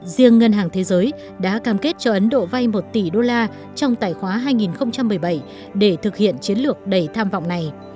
riêng ngân hàng thế giới đã cam kết cho ấn độ vay một tỷ đô la trong tài khoá hai nghìn một mươi bảy để thực hiện chiến lược đầy tham vọng này